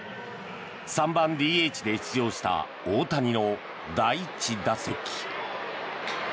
３番ＤＨで出場した大谷の第１打席。